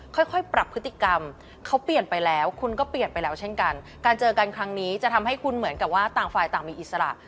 ค่อยค่อยปรับพฤติกรรมเขาเปลี่ยนไปแล้วคุณก็เปลี่ยนไปแล้วเช่นกันการเจอกันครั้งนี้จะทำให้คุณเหมือนกับว่าต่างฝ่ายต่างมีอิสระ